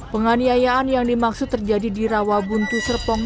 penganiayaan yang dimaksud terjadi di rawabuntu serpong